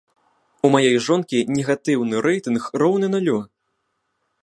У маёй жонкі негатыўны рэйтынг роўны нулю.